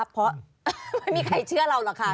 เพราะไม่มีใครเชื่อเราหรอกค่ะ